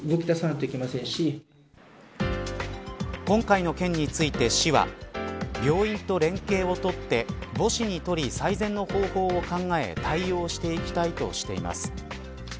今回の件について市は病院と連携をとって母子にとり最善の方法を考え対応していきたいとしています。